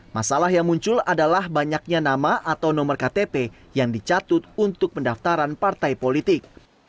masalah yang muncul adalah banyaknya nama atau nomor ktp yang dicatut untuk pendaftaran partai politik